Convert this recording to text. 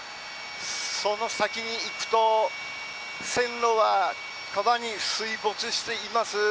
その先に行くと線路は川に水没しています。